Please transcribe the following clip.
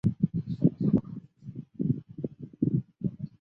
政党的注册也在该月开放。